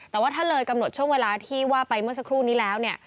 แต่ว่าถ้าเลยกำหนดช่วงเวลาที่ว่าไปเมื่อสักครู่นี้แล้วเนี่ย